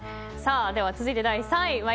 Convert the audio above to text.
では、続いて第３位。